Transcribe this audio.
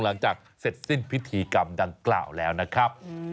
หลังจากเสร็จสิ้นพิธีกรรมดังกล่าวแล้วนะครับ